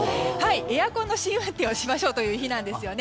エアコンの試運転をしましょうという日です。